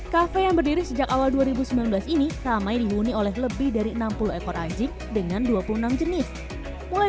kafe yang berdiri sejak awal dua ribu sembilan belas ini ramai dihuni oleh lebih dari enam puluh ekor anjing dengan dua puluh enam jenis mulai